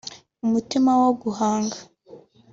umutima wo guhanga